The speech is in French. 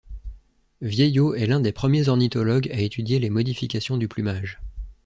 Vieillot est l'un des premiers ornithologues à étudier les modifications du plumage.